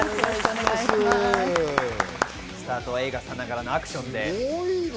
スタートは映画さながらのアクションで。